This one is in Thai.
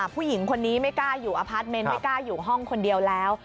ผู้หญิงคนนี้ไม่กล้าอยู่อพาร์ทเมนต์ไม่กล้าอยู่ห้องคนเดียวแล้ว